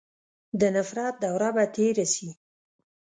د نفرت دوره به تېره سي.